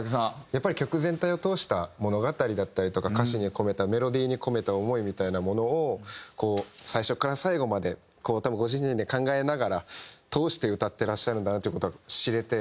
やっぱり曲全体を通した物語だったりとか歌詞に込めたメロディーに込めた思いみたいなものを最初から最後まで多分ご自身で考えながら通して歌ってらっしゃるんだなという事が知れて。